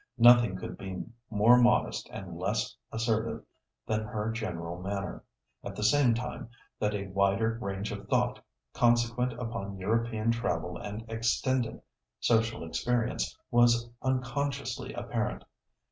Nothing could be more modest and less assertive than her general manner, at the same time that a wider range of thought, consequent upon European travel and extended social experience, was unconsciously apparent.